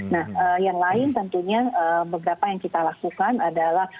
nah yang lain tentunya beberapa yang kita lakukan adalah